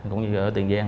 cũng như ở tiền giang